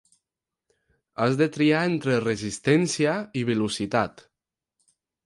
Has de triar entre resistència i velocitat.